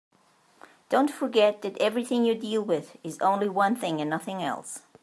Don't forget that everything you deal with is only one thing and nothing else.